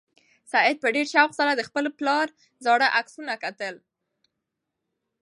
سعید په ډېر شوق سره د خپل پلار زاړه عکسونه کتل.